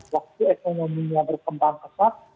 waktu ekonominya berkembang kesat